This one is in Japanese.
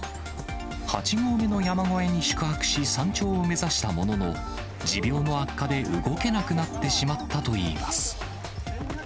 ８合目の山小屋に宿泊し、山頂を目指したものの、持病の悪化で動けなくなってしまったといいます。